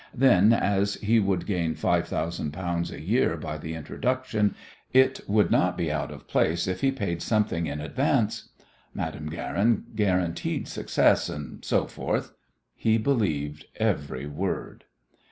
Then, as he would gain five thousand pounds a year by the introduction, it would not be out of place if he paid something in advance. Madame Guerin guaranteed success, and so forth. He believed every word.